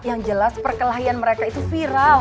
yang jelas perkelahian mereka itu viral